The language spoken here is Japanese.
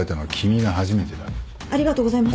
ありがとうございます。